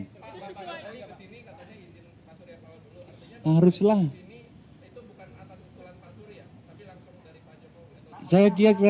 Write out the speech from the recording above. maka bapak lalu ke sini katanya izin pak surya awal dulu